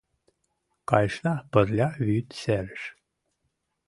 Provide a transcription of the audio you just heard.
Кайышна пырля вӱд серыш.